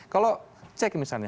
kalau cek misalnya